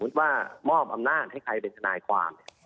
สมมุติว่ามอบอำนาจให้ใครเป็นทานายความ